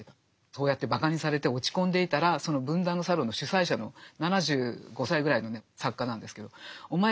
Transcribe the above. そうやってばかにされて落ち込んでいたらその文壇のサロンの主宰者の７５歳ぐらいのね作家なんですけどお前